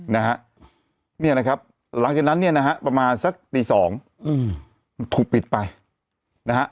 นะฮะเนี่ยนะครับหลังจากนั้นเนี่ยนะฮะประมาณสักตีสองอืมถูกปิดไปนะฮะ